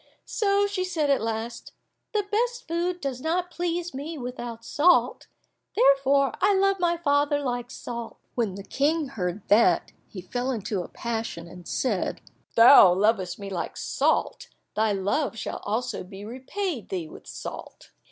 So she said at last, "The best food does not please me without salt, therefore I love my father like salt." When the King heard that, he fell into a passion, and said, "If thou lovest me like salt, thy love shall also be repaid thee with salt."